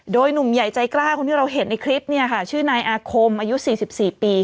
โดยหนุ่มใหญ่ใจกล้าคนที่เราเห็นในคลิปเนี่ยค่ะชื่อนายอาคมอายุ๔๔ปี